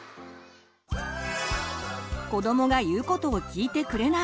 子どもが言うことを聞いてくれない！